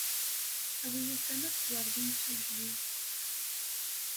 A win yufan ad teẓreḍ imsujji.